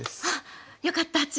あっよかった。